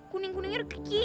kuning kuningnya udah ke kiri